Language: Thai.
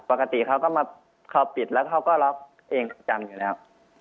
ปกติเขาก็มาเขาปิดแล้วเขาก็ล็อกเองจำอยู่แล้ว